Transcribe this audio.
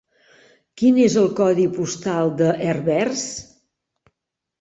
Quin és el codi postal de Herbers?